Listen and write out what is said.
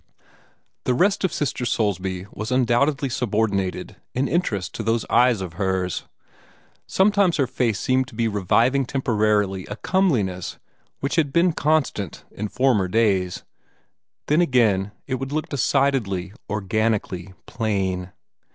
The rest of Sister Soulsby was undoubtedly subordinated in interest to those eyes of hers. Sometimes her face seemed to be reviving temporarily a comeliness which had been constant in former days; then again it would look decidedly, organically, plain.